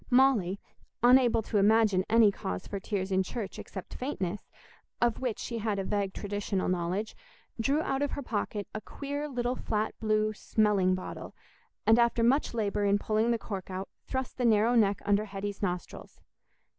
Molly, unable to imagine any cause for tears in church except faintness, of which she had a vague traditional knowledge, drew out of her pocket a queer little flat blue smelling bottle, and after much labour in pulling the cork out, thrust the narrow neck against Hetty's nostrils.